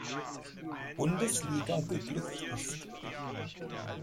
Bundesliga geglückt ist.